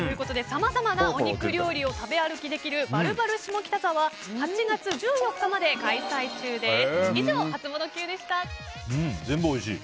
さまざまなお肉料理を食べ歩きできるばるばる下北沢は８月１４日まで開催中です。